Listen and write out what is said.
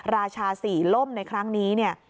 ราชาสี่ล่มในครั้งนี้